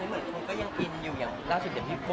แสวได้ไงของเราก็เชียนนักอยู่ค่ะเป็นผู้ร่วมงานที่ดีมาก